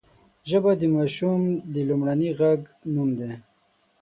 ژبه د ماشوم د لومړني غږ نوم دی